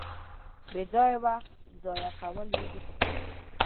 بېځایه وخت ځایه کول ندي پکار.